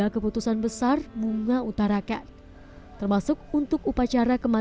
tadi dia presentasi tugas yang serius awalnya